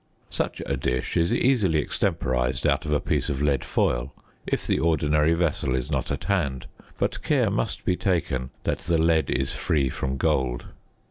Such a dish is easily extemporised out of a piece of lead foil, if the ordinary vessel is not at hand; but care must be taken that the lead is free from gold.